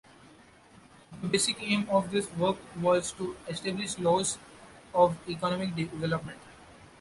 The basic aim of this work was to establish laws of economic development.